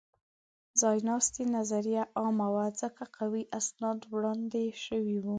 ځایناستې نظریه عامه وه؛ ځکه قوي اسناد وړاندې شوي وو.